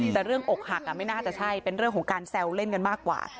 แต่เรื่องอกหักไม่น่าจะใช่เป็นเรื่องของการแซวเล่นกันมากกว่า